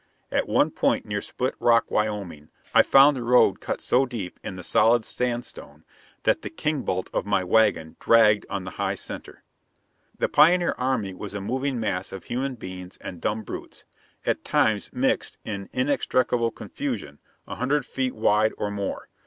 At one point near Split Rock, Wyoming, I found the road cut so deep in the solid sandstone that the kingbolt of my wagon dragged on the high center. The pioneer army was a moving mass of human beings and dumb brutes, at times mixed in inextricable confusion, a hundred feet wide or more.